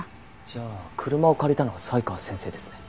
じゃあ車を借りたのは才川先生ですね。